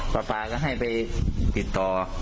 ปลาปลาก็ให้ไปติดต่อ